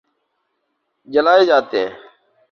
جلائے جاتے ہیں